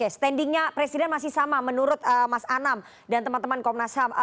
standingnya presiden masih sama menurut mas anam dan teman teman komnas ham